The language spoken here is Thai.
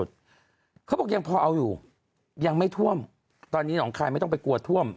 เขาบอกยังพอเอาอยู่ยังไม่ท่วมตอนนี้หนองคายไม่ต้องไปกลัวท่วม